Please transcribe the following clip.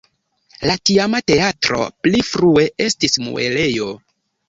La tiama teatro pli frue estis muelejo.